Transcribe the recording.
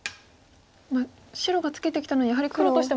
白がツケてきたのでやはり黒としても。